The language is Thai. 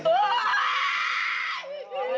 โตควะ